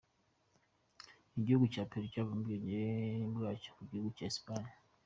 Igihugu cya Peru cyabonye ubwigenge bwacyo ku gihugu cya Espagne.